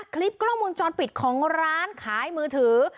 คลิปกล้องวงจรปิดของร้านขายมือถือ